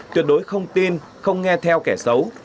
tuyệt đối không tin không nghe theo kẻ xấu